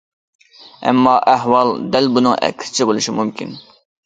ئەمما، ئەھۋال دەل بۇنىڭ ئەكسىچە بولۇشى مۇمكىن.